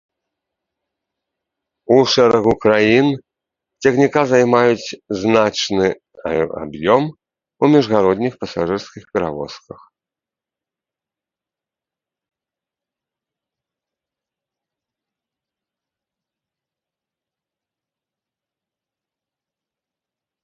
У шэрагу краін цягніка займаюць значны аб'ём у міжгародніх пасажырскіх перавозках.